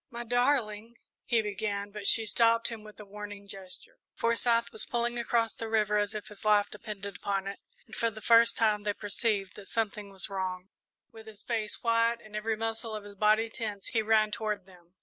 "My darling," he began, but she stopped him with a warning gesture. Forsyth was pulling across the river as if his life depended upon it, and for the first time they perceived that something was wrong. With his face white and every muscle of his body tense, he ran toward them.